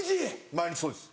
毎日そうです。